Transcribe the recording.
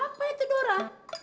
apa itu dora